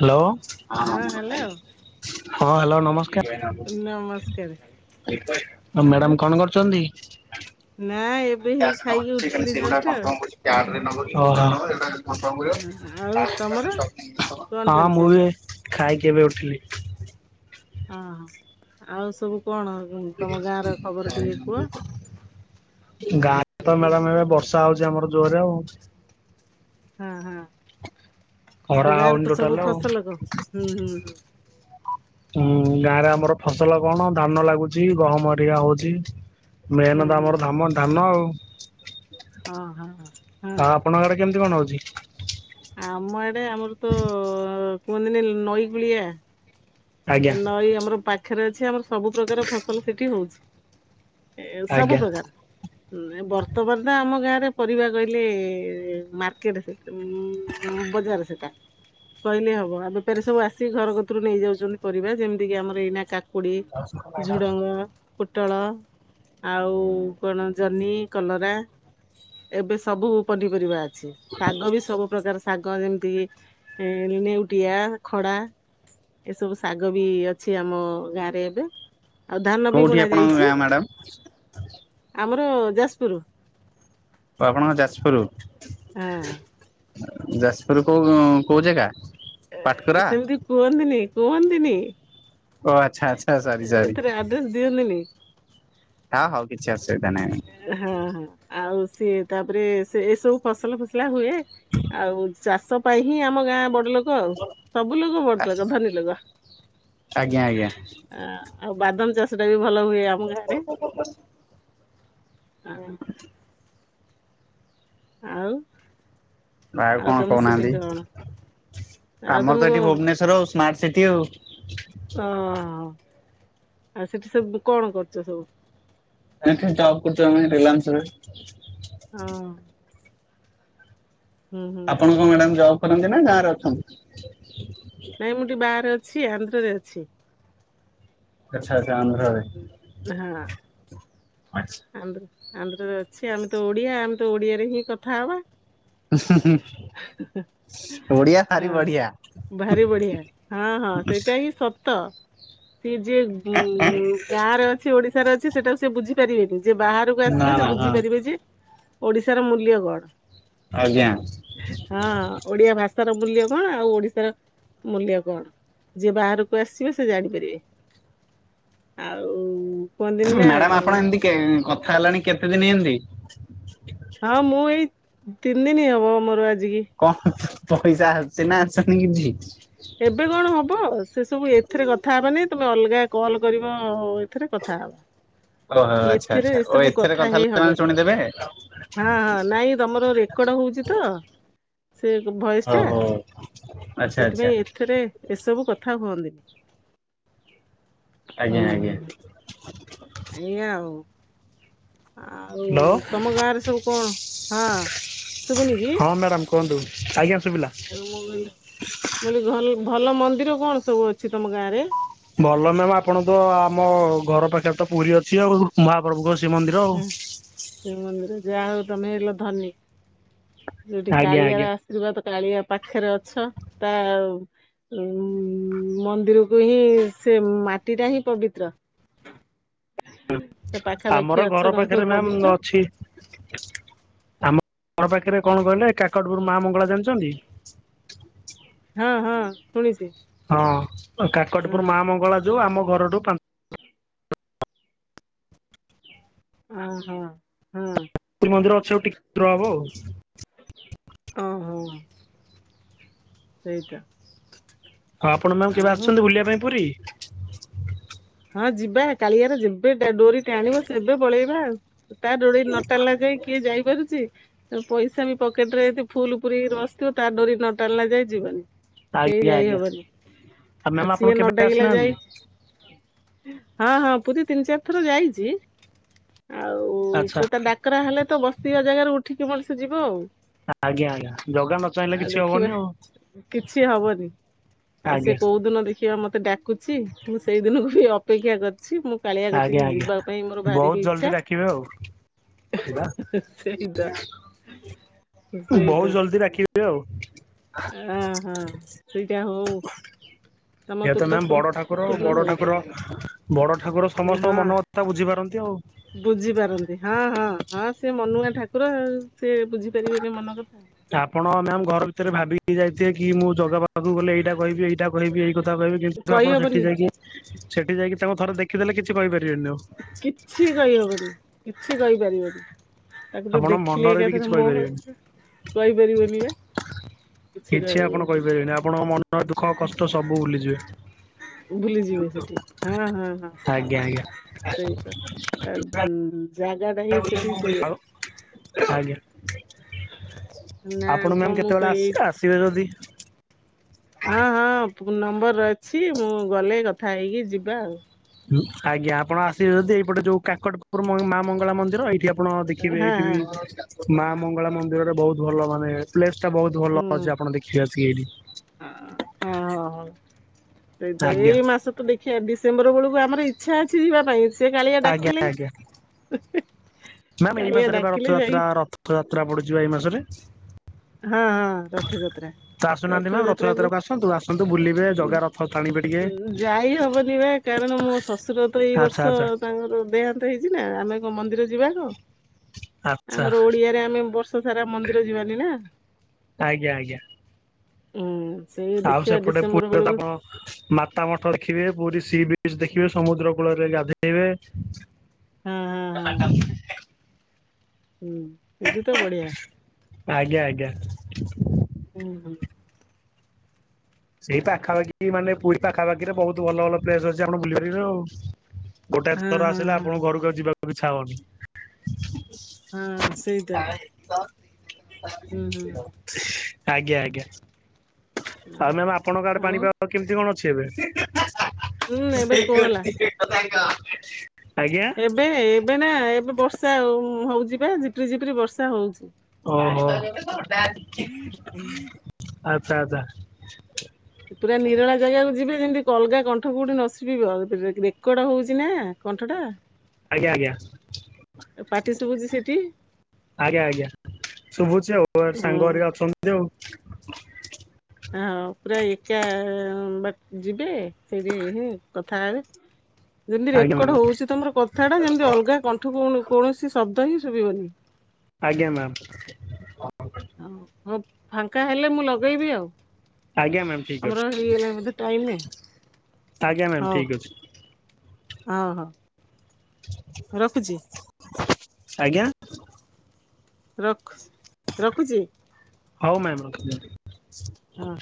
Hello. ହଁ, ହଁ hello ନମସ୍କାର, ନମସ୍କାର ମ୍ୟାଡ଼ାମ କଣ କରୁଛନ୍ତି? ନାଇଁ [unintelligible] ଓହୋ। ଆଉ ହଁ, ଆଉ ତମର କଣ ହଁ ଚାଲିଛି ମୁଁ ସେଠି ବି ଖାଇକି ଏବେ ଉଠିଲି। ହଁ ଆଉ ସବୁ କଣ? ତମ ଗାଁ ର ଖବର ଟିକେ କୁହ? ଗାଁ ରତ ମ୍ୟାଡାମ ଏବେ ବର୍ଷା ହଉଛି ଆମର ଜୋରରେ ଆଉ। ହଁ, ହଁ। ଖରା ଆଉ ଗାଁର ହଉନି କ ଟୋଟାଲ ସବୁ ଆଉ। ଫସଲ କର? ହୁଁ, ହୁଁ, ହୁଁ। ହୁଁ ଗାଁରେ ଆମର ଫସଲ କଣ ଧାନ ଲାଗୁଛି, ଗହମ ହରିକା ହଉଛି। ହୁଁ ମେନ ତ ହୁଁ ଆମର ଧାମ, ଧାନ ଆଉ। ହଁ, ହଁ। ଆଉ ଆପଣଙ୍କ ଘରେ କେମିତି କଣ ରହୁଛି? ଆମ ଏଡେ ଆମର ତ କୁହନ୍ତିନି ନଈକୂଳିଆ, ଆଜ୍ଞା ନଈ ଆମର ପାଖରେ ଅଛି। ଆମର ସବୁ ପ୍ରକାର ଫସଲ ସେଠି ହଉଛି। ଏ ଆଜ୍ଞା। ସବୁ ପ୍ରକାର। [inaudible] ଉଁ ବର୍ତ୍ତମାନ ନାଁ ଆମ ଗାଁରେ ପରିବା କହିଲେ ମାର୍କେଟ ସେତେ ଉଁ ବଜାର। ସେଟା କହିଲେ ହବ ବେପାରି ସବୁ ଆସିିକି ଘର କତୁରୁ ନେଇଯାଉଛନ୍ତି। ପରିବା ଯେମିତି କିି ଆମର ଏଇନା କାକୁଡି, ଝୁଡଙ୍ଗ। ପୁଟଳ ଆଉ କଣ ଜହ୍ନି, କଲରା। ଏବେ ସବୁ ପନିପରିବା ଅଛି ଶାଗ ବି ସବୁ ପ୍ରକାର ଶ ଶାଗ ଯେମିତି ନେଉଟିଆ ଖଡା ଏସବୁ ଶ୍ ଶାଗ ବି ଅଛି ଆମ ଗାଁରେ ଏବେ। ଆଉ ଧାନ ବି କୋଉଠି ବୁଣା ଆପଣଙ୍କ ଗାଁ ଯାଇଛି, ମ୍ୟାଡ଼ାମ? ଆମର ଯାଜପୁର ଆପଣଙ୍କ ଯାଜପୁର। ହଁ ଉଁ ଯାଜପୁର କୋଉ କୋଉ ଜାଗା? ପାଟକୁରା? ସେମିତି କୁହନ୍ତିନି କୁହନ୍ତିନି ଓ ଆଚ୍ଛା ଆଚ୍ଛା ସରି ସରି ଏଥରେ ଆଡ୍। ଦସ୍ ଦିଅନ୍ତିନି। ହ ହଉ କିଛି ଅସୁବିଧା ନାହିଁ ନାଇଁ। ହଁ ହଁ ଆଉ ସିଏ ତାପରେ ସେ ଏ ସବୁ ଫସଲ ଫୁସଲା ହୁଏ। ଆଉ ଚାଷ ପାଇଁ ହିଁ ଆମ ଗାଁ ବଡ ଲୋକ। ଲୋକ ସବୁ ଲୋକ ବଡ ଲୋକ୍ ଧନୀ ଲୋକ। ଆଜ୍ଞା ଆଜ୍ଞା। ଆ ଆଉ ବାଦାମ ଚାଷ ଟା ବି ଭଲ ହୁଏ ଆମ ଗାଁରେ। ହଁ ଆଉ। ଆଉ କଣ ତମ ସେଠି କଣ କହୁନାହାନ୍ତି, ଆଉ ଆମର ତମେ ତ କଣ ଏଠି ଭୁବନେଶ୍ଵର ଆଉ ସ୍ମାର୍ଟ ସିଟି ଆଉ। ଓ ହୋ ଆଉ ସେଠି ସବୁ କଣ କରୁଛ ସବୁ? ଏଠି ଜବ୍ କରୁଛୁ ଆମେ ରିଲାନ୍ସ ରେ। ହଁ। ହୁଁ ହୁଁ। ଆପଣଙ୍କ ମ୍ୟାଡାାମ ଜବ୍ କରନ୍ତି ନା ଗାଁରେ ଅଛନ୍ତି? ନାଇଁ ମୁଁ ଟିକେ ବାହାରେ ଅଛି ଆନ୍ଧ୍ରରେ ଅଛି। ଆଚ୍ଛା ଆଚ୍ଛା ଆନ୍ଧ୍ରାରେ। ହଁ। ଆଚ୍ଛା। ଆନ୍ଧ୍ର ଆନ୍ଧ୍ରରେ ଅଛି ଆମେ ତ ଓଡିଆ ଆମେ ତ ଓଡିଆରେ ହିଁ କଥା ହବା। ଓଡିିଆ ହଁ। ଭାରି ବଢିଆ। ଭାରି ବଢିଆ ହଁ ହଁ ସେଇଟା ହିଁ ସତ। ସିଏ ଯିଏ ଉ ଗାଁରେ ଅଛି ଓଡିଶାରେ ଅଛି ସେଟାକୁ ସିଏ ବୁଝି ପାରିବେନି ଯେ ବାହାରେ। କୁ ନା ଆସିଲେ ସେ ନା ହଁ ବୁଝିପାରିବେ ଯେ ଓଡିଶାର ମୂଲ୍ୟ କଣ? ଆଜ୍ଞା। ହଁ ଓଡିଆ ଭାଷାର ମୂଲ୍ୟ କଣ? ଆଉ ଓଡିଶାର ମୂଲ୍ୟ କଣ? ଯିଏ ବାହାରକୁ ଆସିବେ ସେ ଜାଣିପାରିବେ ଆଉ। କୁହନ୍ତିନି ନା ମ୍ୟାଡାମ ଆପଣ ଏମିତି ଏଁ କଥା ହେଲାଣି କେତେଦିନ ଏମତି? ହଁ ମୁଁ ଏଇ ତିନି ଦିନ ହବ ମୋର ଆଜିକି। କଣ ପଇସା ଆସୁଛି ନା ଆସନି କିଛି? ଏବେ କଣ ହବ ସେ ସବୁ ଏଥିରେ କଥା ହେବାନି ତମେ ଅଲଗା କଲ୍ କରିବ ଏଥିରେ କଥା ହବା। ଓହୋ ଆଚ୍ଛା ଏଥିରେ ଆଚ୍ଛା ଓ ଏସବୁ ଏଥିରେ କଥା ହେଲେ ହେଇ ସେମାନେ ହବନି ଶୁଣିଦେବେ। ହଁ ହଁ ନାଇଁ ତମର ରେ। ରେକଡ୍ ହଉଛି ତ ସେ ଭୟସ ଟା। ଓହୋ। [inaudible] ସେଥିପାଇଁ ଏଥିରେ ଏସବୁ କଥା ହୁଅନ୍ତିନି। ଆଜ୍ଞା ଆଜ୍ଞା। ଆଜ୍ଞା ଆଉ। ଆଉ ହ୍ୟାଲୋ ତମ ଗାଁ ରେ ସବୁ କଣ, ହଁ ଶୁଭୁନି କି? ହଁ ମ୍ୟାଡ଼ାମ କୁହନ୍ତୁ? ଆଜ୍ଞା ଶୁବିଲା। ମୁଁ କହିଲି, ମୁଁ କହିଲି ଭଲ ମନ୍ଦିର କଣ ସବୁ ଅଛି ତମ ଗାଁ ରେ? ଭଲ ମ୍ୟାମ ଆପଣ ତ ଆମ ଘର ପାଖରେ ତ ପୁରୀ ଅଛି ଆଉ, ମହାପ୍ରଭୁଙ୍କ ଶ୍ରୀ ମନ୍ଦିର ଆଉ। ଶ୍ରୀମନ୍ଦିର, ଯାହା ହଉ ତମେ ହେଲ ଧନୀ, ଯୋଉଠି ଆଜ୍ଞା କାଳିଆର ଆଜ୍ଞା ଆସ ଆଶୀର୍ବାଦ, କାଳିଆ ପାଖରେ ଅଛ, ତା ଉ ମନ୍ଦିରକୁ ହିଁ, ସେ ମାଟି ଟା ହିଁ ପବିତ୍ର। [unintelligible] ତ ଆମର ପାଖାପାଖି ଅ ଘର ପାଖରେ ମ୍ୟାମ୍ ଅଛି ଆମ ଘର ପାଖରେ କଣ କହିଲେ, ଏଇ କାକଟପୁର ମା ମଙ୍ଗଳା ଜାଣିଚନ୍ତି? ହଁ ହଁ, ଶୁଣିଚି। ହଁ, କାକଟପୁର ମା ମଙ୍ଗଳା ଯୋଉ ଆମ ଘରଠୁ ପାଞ୍ଚ ଓ ହୋ, ହଁ। ମନ୍ଦିର ଅଛି, ଆଉ ଟିକେ ଦୂର ହବ ଆଉ। ଓ ହୋ। ସେଇଟା। ହଁ, ଆପଣ ମ୍ୟାାମ କେବେ ଆସୁଛନ୍ତି ବୁଲିବା ପାଇଁ ପୁରୀ? ହଁ ଯିବା, କାଳିଆର ଯେବେ ଡୋରି ଟାଣିବ ସେବେ ପଳେଇବା ଆଉ। ତା ଡୋଳି ଇ ନଟାଣିବା ଯାଏ କିଏ ଯାଇପାରୁଚି? ପଇସା ବି ପକେଟ ରେ ଏଇତି ଫୁଲ ପୁରେଇକି ରି ବସିଥିବ, ତା ଡୋରି ନ ଟାଣିଲା ଯାଏଁ ଯିବନି। କେଇ ଆଜ୍ଞା ଯାଇ ଆଜ୍ଞା। ହବନି, ମ୍ୟାମ ଆଉ ଆପଣ ସିଏ କେବେ ନଡାକିଲା ଆସିନାହାନ୍ତି ଯାଏଁ ହଁ ହଁ, ପୁରୀ ତିନି ଚାରି ଥର ଯାଇଚି, ଆଉ ସେ ଆଚ୍ଛା ତ ଡାକ୍ ଡାକରା ହେଲେ ତ, ବସିିବା ଜାଗାରୁ ଉଠିକି ମଣିଷ ଯିବ ଆଉ ଆଜ୍ଞା ଆଜ୍ଞା, ଜଗା ନ ଚାହିଁଲେ ଆଉ କିଛି ଦେଖିବା ହବନି ଆଉ। କିଛି ହବନି, ଆଉ ସେ ଆଜ୍ଞା। କୋଉ ଦିନ ଦେଖିବା ମତେ ଡାକୁଚି, ମୁଁ ସେଇ ଦିନକୁ ଅପେକ୍ଷା କରିଚି, ମୁଁ କାଳିଆ ଆଜ୍ଞା କତିକି ଆଜ୍ଞା ଯିବା ପାଇଁ ମୋର ବହୁତ ଭାରିବି ଜଲଦି ଇଛା ‌। ଡାକିବେ ଆଉ ସେଇଦ ବହୁତ ଜଲଦି ରାଖି [unintelligible] ଆଉ ଅ ହଁ, ସେଇଟା ହଉ ତମ ଇଏତ ତୁଣ୍ଡ ମ୍ୟାମ୍ ବଡ ସୁ ଠାକୁର, ଆଉ ତୁଣ୍ଡ ବଡ ହଉ ଠାକୁର ବଡ ଠାକୁର ସମସ୍ତଙ୍କ ହଁ ମନ କଥା ବୁଝିପାରନ୍ତି ଆଉ। ବୁଝିପାରନ୍ତି, ହଁ ହଁ ହଁ ସେ ମନୁଆ ଠାକୁର ଆଉ, ସେ ବୁଝିପାରିବେନି ମନ କଥା? ଆପଣ ମ୍ୟାମ ଘର ଭିତରେ ଭାବି ଯାଇଥିବେ କି ମୁଁ ଜଗା ପାଖକୁ ଗଲେ, ଏଇଟା କହିବି, ଏଇଟା କହିବି, ଏଇ କ [unintelligible] ଆପଣ ସେଠି କହିହବନି ଯାଇକି, ସେଠି ଯାଇକି ତାଙ୍କୁ ଥରେ ଦେଖିଦେଲେ କିଛି କହିପାରିବେନି ଆଉ। କିଛି କହିହବନି, କିଛି କହିପାରିବନି। ତାକୁ ତ ଆପଣ ଦେଖିଲେ ମନରେ ବି ଏକାଥରେ କିଛି ମୋହ କହିପାରିବେନି। ହେଇଯିବ, କହିପାରିବନି ପା। କିଛି ଆପଣ କହିପାରିବେନି, ଆପଣଙ୍କ ମନ ଦୁଃଖ କଷ୍ଟ ସବୁ ଭୁଲିଯିବେ। ଭୁଲିଯିବେ ସେଠି ହଁ ହଁ ହଁ ଆଜ୍ଞା ଆଜ୍ଞା। ସେଇଟା ତା ଜାଗା ଟା ହିଁ ସେଠି ସେଇଆ [unintelligible] ଆଜ୍ଞା, ନା ଆଉ ଆପଣ କଣ ମ୍ୟାମ ମୁଁ କେତେବେଳେ ତ ଏଇ ଆସିବେ, ଆସିବେ ଯଦି ହଁ ହଁ, ପୁ ନମ୍ବର ଅଛି, ମୁଁ ଗଲେ କଥା ହେଇକି ଯିବା ଆଉ। [unintelligible] ଆଜ୍ଞା ଆପଣ ଆସିବେ ଯଦି ଏଇପଟେ ଯୋଉ କାକଟପୁରୁ ମ ମା ମଙ୍ଗଳା ମନ୍ଦିର ଏଇଠି ଆପଣ ଦେଖିବେ ହଁ ଏଇଠି ହଁ ବି ମା ମଙ୍ଗଳା ମନ୍ଦିରରେ ବହୁତ୍ ଭଲ ମାନେ। ପ୍ଲେସ୍ ଟା ବହୁତ୍ ଭଲ ହୁଁ ଅଛି ଆପଣ ଦେଖିବେ ଆସିକି ଏଇଠି। ହଁ ହଁ ହଉ ସେଇଟା ଆଜ୍ଞା ଏଇ ମାସ କୁ ଦେଖିବା ଡିସେମ୍ବର ବଳୁକୁ ଆମର ଇଚ୍ଛା ଅଛି ଯିବା ପାଇଁ ସେ କାଳିଆ ଆଜ୍ଞା ଡାକିଲେ। ମ୍ୟାାମ୍ ଏଇ କାଳିଆ ମାସରେ ବା ଡାକିଲେ ଯାଇ ରଥଯାତ୍ରା ରଥଯାତ୍ରା ପଡୁଛିି ବା ଏଇ ମାସରେ। ହଁ ହଁ ରଥଯାତ୍ରା। ତ ଆସୁନାହାନ୍ତି ମ୍ୟାମ୍ ରଥଯାତ୍ରା କୁ ରଥଯାତ୍ରାକୁ ଆସନ୍ତୁ ଆସନ୍ତୁ ବୁଲିବେ ଉ ଜଗା ରଥ ଟାଣିବେ ଟିକେ ଉ ଯାଇ ହବନି ବା। କାରଣ ମୋ ଶଶୁର ତ ଏଇ ଆଚ୍ଛା ବର୍ଷ ଆଚ୍ଛା। ତାଙ୍କର ଦେହାନ୍ତ ହେଇଛି ନା ଆମେ କଣ ମନ୍ଦିର ଯିବାକୁ। ଆଚ୍ଛା ଆମର ଓଡିଆରେ ଆମେ ବର୍ଷ ସାରା ମନ୍ଦିର ଯିବାନି ନା। ଆଜ୍ଞା ଆଜ୍ଞା। ହୁଁ ସେଇ ଆଉ ଦେଖିବା ସେପଟେ ଡିସେମ୍ବର ପୁରୀରେ ତ ବେଳୁକୁ। ଆପଣ ମାତା ମଠ ଦେଖିବେ ପୁରୀ ସି ବିଚ ଦେଖିବେ ସମୁଦ୍ର କୂଳରେ ଗାଧେଇବେ। ହଁ ହଁ ହଁ [inaudible] ହୁଁ ପୁରୀ ତ ବଢିଆ ଆଜ୍ଞା ଆଜ୍ଞା ହୁଁ ହୁଁ। ସେଇ ପାଖାପାଖି ମାନେ ପୁରୀ ପାଖାପାଖିରେ ବହୁତୁ ଭଲ ଭଲ ପ୍ଲେସ୍ ଅଛି ଆପଣ ବୁଲିପାରିବେ ଆଉ। ଗୋଟାଏ ହଁ ଥର ହଁ ଆସିଲେ ହଁ ଆପଣଙ୍କୁ ଘରୁକୁ ଆଉ ଯିବାକୁ ଇଚ୍ଛା ହବନି। ହଁ ସେଇତ ହୁଁ ହୁଁ ଆଜ୍ଞା ଆଜ୍ଞା। ଆଉ ମ୍ୟାାମ୍ ଆପଣଙ୍କ ଆଡେ ଆଉ ପାଣିପାଗ କେମିତି କଣ ଅଛି ଏବେ? ହୁଁ ଏବେ କୋହଲା କ ତାଙ୍କ। ଏବେ ଏବେ ନା ଏବେ ବର୍ଷା ହଉ ହଉଚି ପା ଝିପିରି ଝିପିରି ବର୍ଷା ହଉଛି। ଓହୋ ଆଚ୍ଛା ଆଚ୍ଛା। ପୁରା ନିରଳା ଜାଗା କୁ ଯିବେ ଯେମତି ଅଲଗା କଣ୍ଠ କୋଉଠି ନ ଶୁଭିବ ରେ ରେକଡ ହଉଚି ନା। କଣ୍ଠଟା। ଆଜ୍ଞା ଆଜ୍ଞା। ପାଟି ଶୁଭୁଛି ସେଠି ଆଜ୍ଞା ଆଜ୍ଞା ଶୁଭୁଛି ଆଉ ସାଙ୍ଗ ଘରିକା ହୁଁ। ଅଛ ନ୍ତି ଆଉ। ଆଁ ହଉ ପୁରା ଏକା ବାଟ୍ ଯିବେ ଫେରେ ଏହେ କଥା ହେବେ। [inaudible] ଯେମତି ଆଜ୍ଞା ମ୍ୟାମ ରେକର୍ଡ ହଉଛି ତମର କଥା ଟା ଯେମତି ଅଲଗା କଣ୍ଠ କୌଣ କୌଣସି ଶବ୍ଦ ହିଁ ଶୁଭିବନି। ଆଜ୍ଞା ମ୍ୟାମ୍। ହଉ ହଉ ଫାଙ୍କା ହେଲେ ମୁଁ ଲଗେଇବି ଆଉ। ଆଜ୍ଞା ମ୍ୟାମ ଠିକ ଆମର ଅଛି ହେଇଗଲାଣି ବଧେ ଟାଇମ୍ ରେ ଆଜ୍ଞା ମ୍ୟାମ ହଉ। ଠିକ ଅଛି ଅହ। ହଉ ରଖୁଛି। ଆଜ୍ଞା। ରଖୁଚି ରଖୁଚି। ହଉ ମ୍ୟାମ୍ ରଖିଦିଅନ୍ତୁ। ହଁ।